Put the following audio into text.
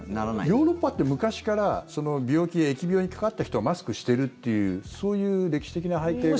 ヨーロッパって昔から病気や疫病にかかった人はマスクしてるというそういう歴史的な背景が。